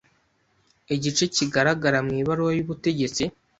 igice kigaragara mu ibaruwa y’ubutegetsi